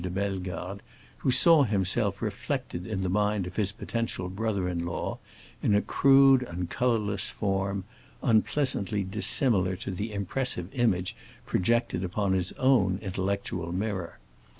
de Bellegarde, who saw himself reflected in the mind of his potential brother in law in a crude and colorless form, unpleasantly dissimilar to the impressive image projected upon his own intellectual mirror.